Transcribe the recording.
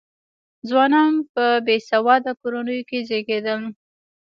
ځوانان په بې سواده کورنیو کې زېږېدل.